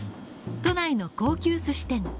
都内の高級寿司店。